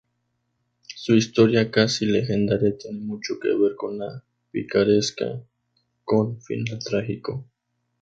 Su historia casi legendaria tiene mucho que ver con la picaresca, con final trágico.